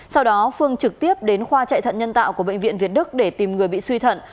sau đó phương trực tiếp đến khoa chạy thận nhân tạo của bệnh viện việt đức để tìm người bị suy thận